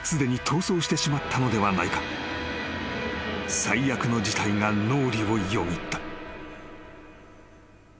［最悪の事態が脳裏をよぎった］